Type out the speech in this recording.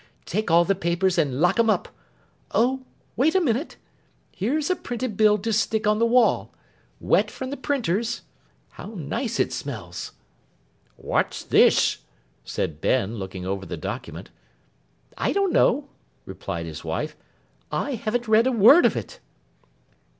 Take all the papers, and lock 'em up. Oh! Wait a minute. Here's a printed bill to stick on the wall. Wet from the printer's. How nice it smells!' 'What's this?' said Ben, looking over the document. 'I don't know,' replied his wife. 'I haven't read a word of it.